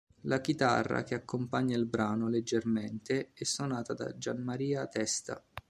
La chitarra che accompagna il brano "Leggermente" è suonata da Gianmaria Testa.